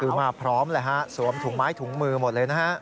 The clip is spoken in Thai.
คือมาพร้อมเลยฮะสวมถุงไม้ถุงมือหมดเลยนะฮะ